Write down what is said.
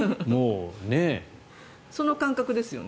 その感覚ですよね。